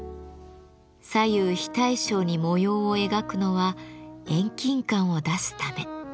左右非対称に模様を描くのは遠近感を出すため。